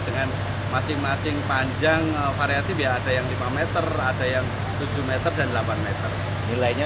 dengan masing masing panjang variatif ya ada yang lima meter ada yang tujuh m dan delapan m nilainya